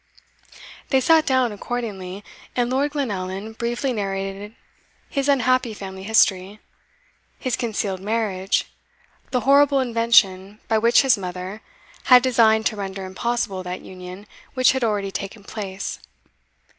They sate down accordingly; and Lord Glenallan briefly narrated his unhappy family history his concealed marriage the horrible invention by which his mother had designed to render impossible that union which had already taken place.